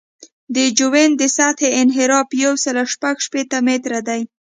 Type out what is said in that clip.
د جیوئید د سطحې انحراف یو سل شپږ شپېته متره دی